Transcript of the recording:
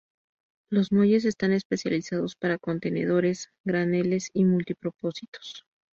Los muelles están especializados para contenedores, graneles y multipropósito.